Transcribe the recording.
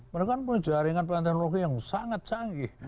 mereka kan punya jaringan peneliti yang sangat canggih